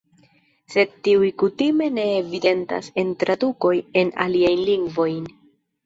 Sed tiuj kutime ne evidentas en tradukoj en aliajn lingvojn.